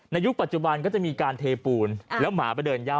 ยุคปัจจุบันก็จะมีการเทปูนแล้วหมาไปเดินย่า